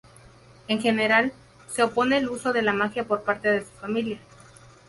En general, se opone al uso de la magia por parte de su familia.